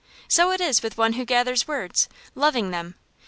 So it is with one who gathers words, loving them.